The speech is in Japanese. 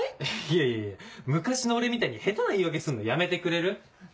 いやいやいや昔の俺みたいに下手な言い訳すんのやめてくれる？